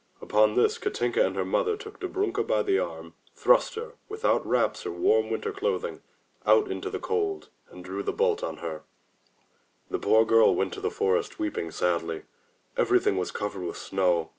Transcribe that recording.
Upon this Katinka and her mother took Dobrunka by the arm, thrust her, without wraps or warm winter clothing, out into the cold, and drew the bolt on her. 145 MY BOOK HOUSE The poor girl went to the forest weeping sadly. Everything was covered with snow.